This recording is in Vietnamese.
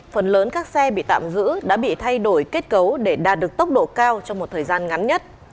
phần lớn các xe bị tạm giữ đã bị thay đổi kết cấu để đạt được tốc độ cao trong một thời gian ngắn nhất